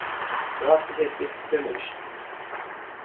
Rahatsız etmek istememiştim.